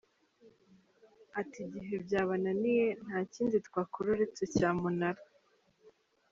Ati “Igihe byabananiye nta kindi twakora uretse cyamunara.